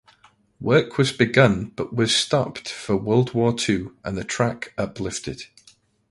Work was begun but was stopped for World War Two and the track uplifted.